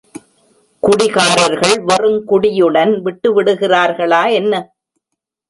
குடிகாரர்கள் வெறுங்குடியுடன் விட்டு விடுகின்றார்களா என்ன?